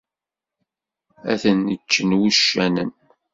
Ad ten-ččen wuccanen.